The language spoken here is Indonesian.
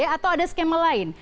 atau ada skema lain